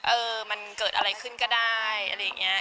เออมันเกิดอะไรขึ้นก็ได้อะไรอย่างนี้